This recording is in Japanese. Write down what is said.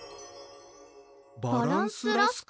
バランスラスク？